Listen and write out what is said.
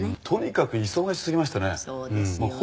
「とにかく忙しすぎましたね」